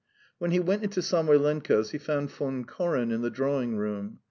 When he went into Samoylenko's, he found Von Koren in the drawing room.